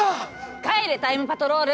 帰れタイムパトロール。